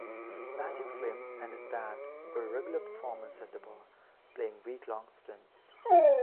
Magic Slim and his band were regular performers at the bar, playing week-long stints.